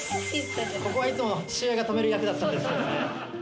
ここはいつも、父親が止める役だったんですよね。